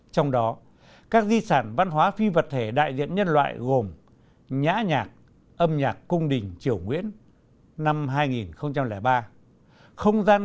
trong đó các di sản văn hóa phi vật thể đại diện nhân loại gồm nhã nhạc âm nhạc cung đình triều nguyễn năm hai nghìn ba mươi